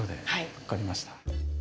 分かりました。